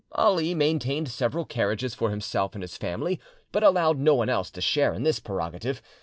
Ali maintained several carriages for himself and his family, but allowed no one else to share in this prerogative.